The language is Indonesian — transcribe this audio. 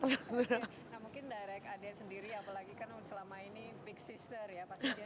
ya jadi mereka direct adek sendiri apalagi kan selama ini big sister ya